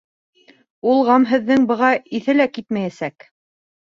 Ул ғәмһеҙҙең быға иҫе лә китмәйәсәк.